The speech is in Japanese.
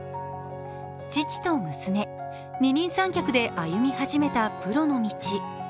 父と娘、二人三脚で歩み始めたプロの道。